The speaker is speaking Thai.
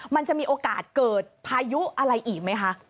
มันจะมีโอกาสเกิดพายุอะไรอีกไหมคะ